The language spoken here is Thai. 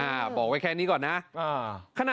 อ่าบอกไว้แค่นี้ก่อนนะ